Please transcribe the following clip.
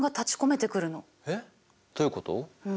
えっどういうこと？